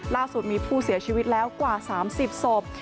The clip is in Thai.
ล่าสุดมีผู้เสียชีวิตแล้วกว่า๓๐ศพ